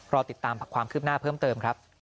รอติดตามความคืบหน้าเพิ่มเติมครับ